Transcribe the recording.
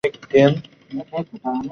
প্রায়শঃই তিনি স্লিপে অবস্থান করে থাকেন।